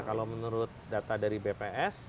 kalau menurut data dari bps